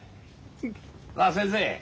ああ先生